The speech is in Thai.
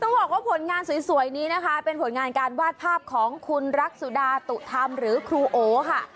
บอกว่าผลงานสวยนี้นะคะเป็นผลงานการวาดภาพของคุณรักสุดาตุธรรมหรือครูโอค่ะ